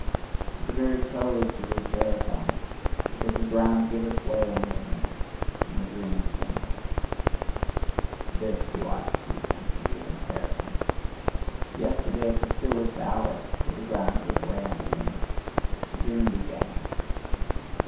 To the very toes he is terrified, because the ground giveth way under him, and the dream beginneth. This do I speak unto you in parable. Yesterday at the stillest hour did the ground give way under me: the dream began.